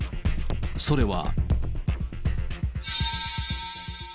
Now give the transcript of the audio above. それは。